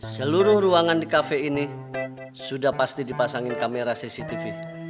seluruh ruangan di kafe ini sudah pasti dipasangin kamera cctv